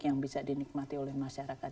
yang bisa dinikmati oleh masyarakat